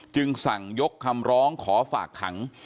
สั่งยกคำร้องขอฝากขัง